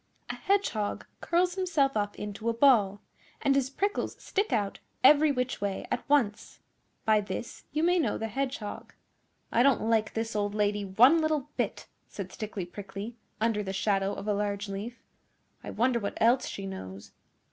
A Hedgehog curls himself up into a ball and his prickles stick out every which way at once. By this you may know the Hedgehog.' 'I don't like this old lady one little bit,' said Stickly Prickly, under the shadow of a large leaf. 'I wonder what else she knows?